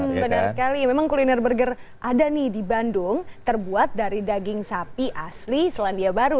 hmm benar sekali memang kuliner burger ada nih di bandung terbuat dari daging sapi asli selandia baru